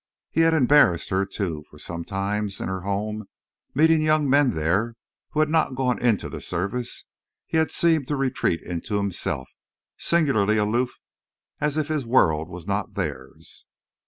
He had embarrassed her, too, for sometimes, in her home, meeting young men there who had not gone into the service, he had seemed to retreat into himself, singularly aloof, as if his world was not theirs.